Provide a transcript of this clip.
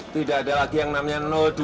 tidak ada lagi yang namanya dua